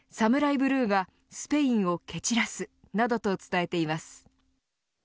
ブルーがスペインを蹴散らすなどと伝えています。